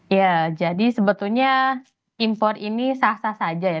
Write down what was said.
ya jadi sebetulnya impor ini sah sah saja ya